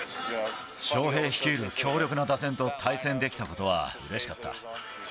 翔平率いる強力な打線と対戦できたことはうれしかった。